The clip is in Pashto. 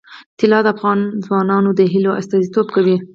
طلا د افغان ځوانانو د هیلو استازیتوب کوي.